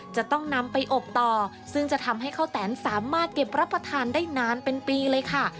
จะต้องนำไปอบต่อซึ่งจะทำให้ข้าวแตนสามารถเก็บรับประทานได้นานเป็นปีเลยค่ะ